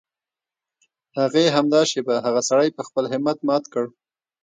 هغې همدا شېبه هغه سړی په خپل همت مات کړ.